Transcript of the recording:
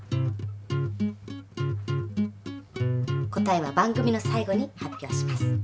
答えは番組の最後に発表します。